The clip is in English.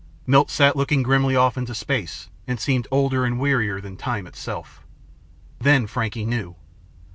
Milt sat looking grimly off into space and seemed older and wearier than time itself. Then Frankie knew.